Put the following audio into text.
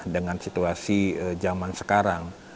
dengan situasi jaman sekarang